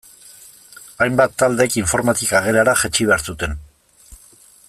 Hainbat taldek informatika gelara jaitsi behar zuten.